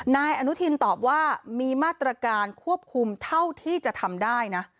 นายอนุทินตอบว่ามีมาตรการควบคุมเท่าที่จะทำได้นะ